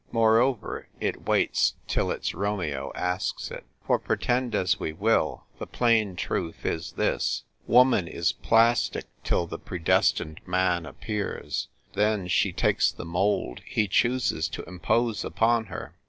Moreover, it waits till its Romeo asks it. For, pretend as we will, the plain truth is this: woman is plastic till the predestined man appears; then she takes the mould he chooses to impose upon her.